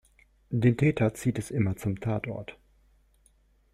Den Täter zieht es immer zum Tatort.